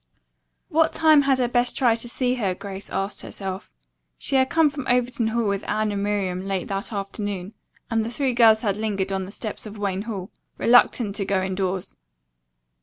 "What time had I best try to see her?" Grace asked herself. She had come from Overton Hall with Anne and Miriam late that afternoon and the three girls had lingered on the steps of Wayne Hall, reluctant to go indoors.